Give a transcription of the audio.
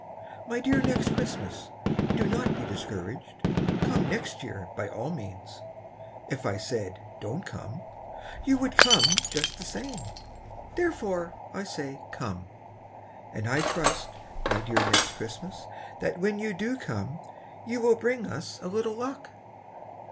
My dear Next Christmas, Do not be discouraged, Come next year by all means; If I said "Don't come" You would come just the same. Therefore, I say "Come," And I trust, my dear Next Christmas, That when you do come You will bring us a little luck.